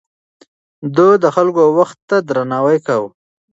ده د خلکو وخت ته درناوی کاوه.